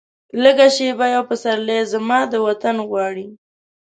لږه شیبه یو پسرلی، زما د وطن غواړي